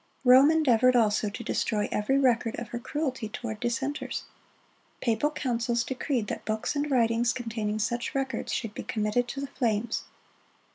Rome endeavored also to destroy every record of her cruelty toward dissenters. Papal councils decreed that books and writings containing such records should be committed to the flames.